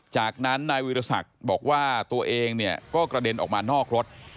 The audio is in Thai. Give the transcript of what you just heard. จากนั้นนายวิรสักบอกว่าตัวเองเนี่ยก็กระเด็นออกมานอกรถ